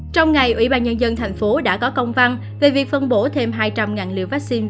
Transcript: trong ngày ủy ban nhân dân thành phố đã có công văn về việc phân bổ thêm hai trăm linh liều vaccine